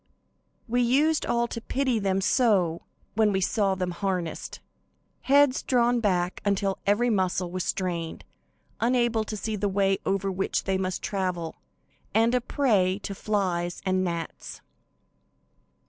We used all to pity them so when we saw them harnessed. Heads drawn back until every muscle was strained, unable to see the way over which they must travel, and a prey to flies and gnats!